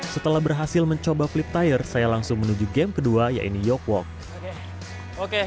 setelah berhasil mencoba flip tire saya langsung menuju game kedua yaitu yoke walk